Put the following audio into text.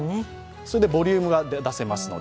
それでボリュームが出せますので。